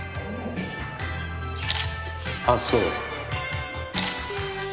あっそう。